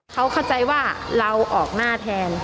เขาเข้าใจว่าเราออกหน้าแทน